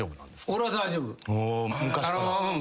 俺は大丈夫。